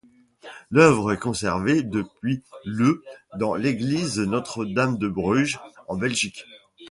L'œuvre est conservée depuis le dans l'église Notre-Dame de Bruges, en Belgique.